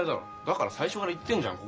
だから最初から言ってんじゃん。